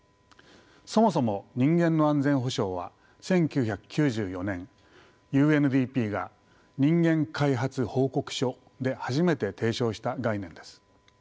そもそも人間の安全保障は１９９４年ＵＮＤＰが「人間開発報告書」で初めて提唱した概念です。